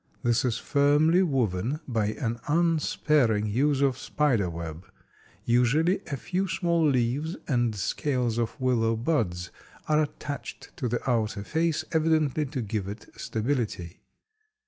This is firmly woven by an unsparing use of spider web. Usually a few small leaves and scales of willow buds are attached to the outer face, evidently to give it stability.